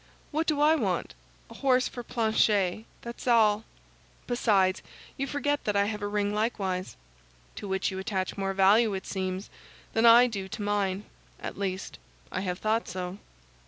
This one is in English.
What do I want? A horse for Planchet, that's all. Besides, you forget that I have a ring likewise." "To which you attach more value, it seems, than I do to mine; at least, I have thought so."